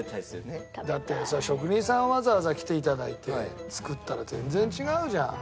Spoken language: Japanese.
だって職人さんわざわざ来て頂いて作ったら全然違うじゃん。